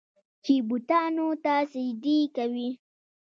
چې بوتانو ته سجدې کوي.